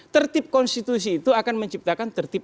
tertib konstitusi itu akan menciptakan tertib